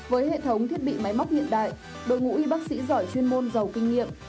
với hệ thống thiết bị máy móc hiện đại đội ngũ y bác sĩ giỏi chuyên môn giàu kinh nghiệm